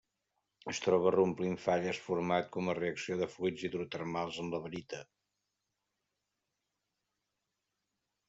Es troba reomplint falles, format com a reacció de fluids hidrotermals amb la barita.